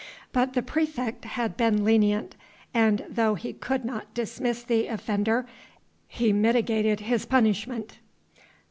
But the praefect had been lenient, and though he could not dismiss the offender, he mitigated his punishment.